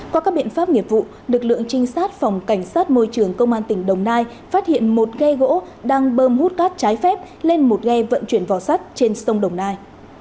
qua các biện pháp nghiệp vụ lực lượng trinh sát phòng cảnh sát môi trường công an tỉnh đồng nai phát hiện một ghe gỗ đang bơm hút cát trái phép lên một ghe vận chuyển vò sắt trên sông đồng nai